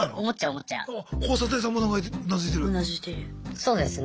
そうですね。